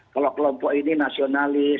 kalau kelompok ini nasionalis